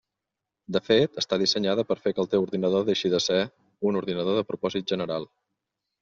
De fet, està dissenyada per fer que el teu ordinador deixi de ser un ordinador de propòsit general.